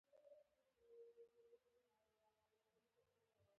آیا متل د پلرونو خبره نه ده؟